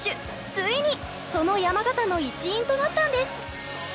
ついにその山形の一員となったんです。